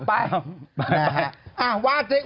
ไป